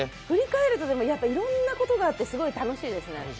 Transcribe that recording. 振り返るといろんなことがあって、すごい楽しいですね。